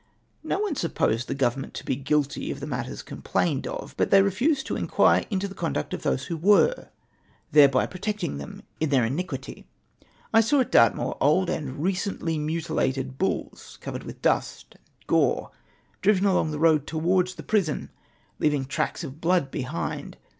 No one supposed the Government to be guilty of the matters complained of, but they refused to mquire into the conduct of those who were, thereby protecting them in their iniquity. I saw at Dartmoor old and recently mutilated bulls, covered with dust and gore, driven along the road towards the prison, leaving tracks of blood behind